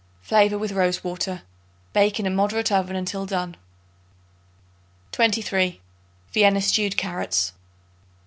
Flavor with rose water. Bake in a moderate oven until done. 23. Vienna Stewed Carrots.